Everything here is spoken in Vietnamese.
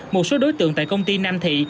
một số đối tượng tại công ty nam thị